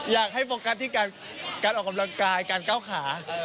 อยากให้โฟกัสที่การออกกำลังกายการก้าวขา